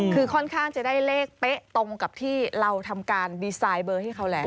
คือค่อนข้างจะได้เลขเป๊ะตรงกับที่เราทำการดีไซน์เบอร์ให้เขาแล้ว